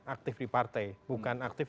aktif di partai bukan aktif